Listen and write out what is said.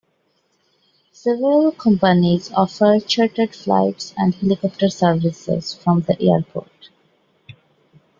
Several companies offer chartered flights and helicopter services from the airport.